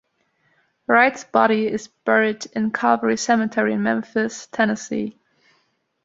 Wright's body is buried in Calvary Cemetery in Memphis, Tennessee.